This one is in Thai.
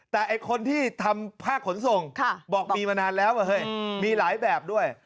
แต่ไอ้คนที่ทำภาคขนส่งบอกมีมานานแล้วมีหลายแบบด้วย